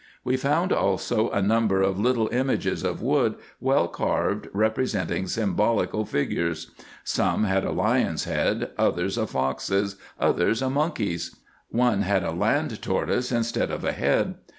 We found also a number of little images of wood, well carved, re presenting symbolical figures. Some had a lion's head, others a fox's, others a monkey's. One had a land tortoise instead of a head.